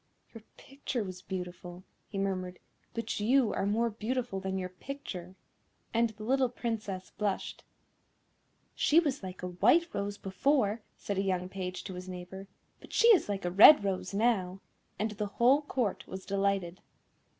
"Your picture was beautiful," he murmured, "but you are more beautiful than your picture;" and the little Princess blushed. "She was like a white rose before," said a young page to his neighbour, "but she is like a red rose now;" and the whole Court was delighted.